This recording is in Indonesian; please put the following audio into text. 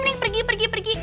mending pergi pergi pergi